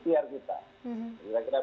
cekolah kita meliburkan orang